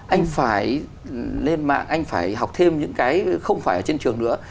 anh phải lên mạng anh phải học thêm những cái không phải ở trên trường nữa